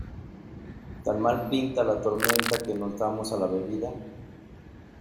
¿ tan mal pinta la tormenta que nos damos a la bebida?